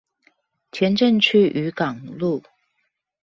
前鎮區漁港路